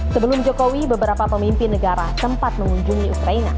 sebelum jokowi beberapa pemimpin negara sempat mengunjungi ukraina